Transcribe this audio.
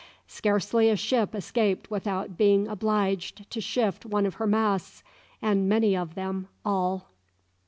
Scarcely a ship escaped without being obliged to shift one of her masts, and many of them all.